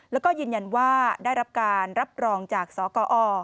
แล้วก็ยืนยันว่าได้รับการรับรองจากสกอ